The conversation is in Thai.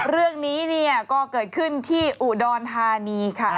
เรื่องนี้เนี่ยก็เกิดขึ้นที่อุดรธานีค่ะ